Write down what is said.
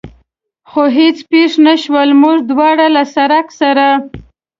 خو هېڅ پېښ نه شول، موږ دواړه له سړک سره.